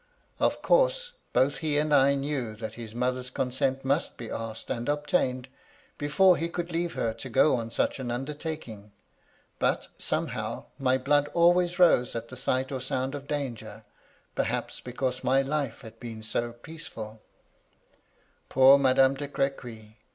Of course, both he and I knew that his mother's consent must be asked and obtained, before he could leave her to go on such an undertaking ; but, somehow, my blood always rose at the »ght or sound of danger ; perhaps, because my MY LADY LUDLOW. 115 life had been so peaoefuL Poor Madame de Crequy